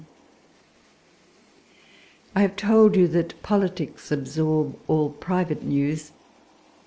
I HAVE told you that politics absorb all private news.